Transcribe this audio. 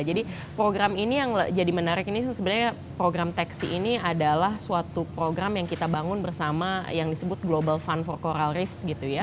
jadi program ini yang jadi menarik ini sebenarnya program txi ini adalah suatu program yang kita bangun bersama yang disebut global fund for coral reefs